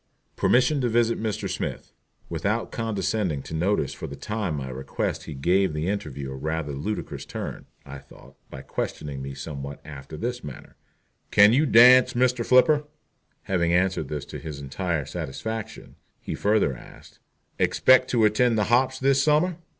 "Permission to visit Mr. Smith." Without condescending to notice for the time my request he gave the interview a rather ludicrous turn, I thought, by questioning me somewhat after this manner: "Can you dance, Mr. Flipper?" Having answered this to his entire satisfaction, he further asked: "Expect to attend the hops this summer?"